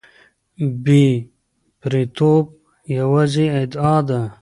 بې پرېتوب یوازې ادعا ده.